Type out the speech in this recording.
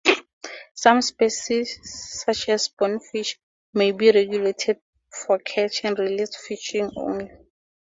Some species such as bonefish may be regulated for catch and release fishing only.